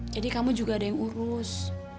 jadi kamu juga ada yang urus